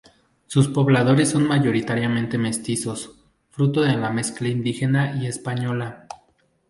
Sus pobladores son mayoritariamente mestizos, fruto de la mezcla indígena y española.